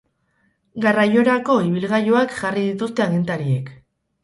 Garraiorako ibilgailuak jarri dituzte agintariek.